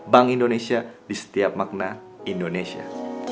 bank indonesia di setiap makna indonesia